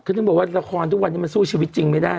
เขาถึงบอกว่าละครทุกวันนี้มันสู้ชีวิตจริงไม่ได้